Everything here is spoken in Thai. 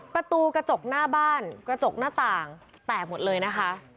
ประตูกระจกหน้าบ้านกระจกหน้าต่างแตกหมดเลยนะคะ